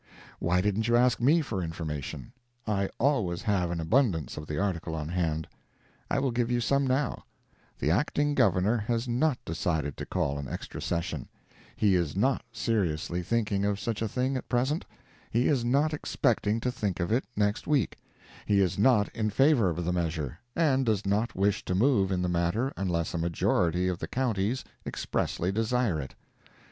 Why didn't you ask me for information? I always have an abundance of the article on hand. I will give you some now: the Acting Governor has not decided to call an extra session; he is not seriously thinking of such a thing at present; he is not expecting to think of it next week; he is not in favor of the measure, and does not wish to move in the matter unless a majority of the counties expressly desire it.